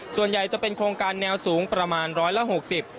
ส่วนใหญ่จะเป็นโครงการแนวสูงประมาณ๑๖๐บาท